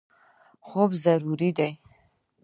خوب ضروري دی.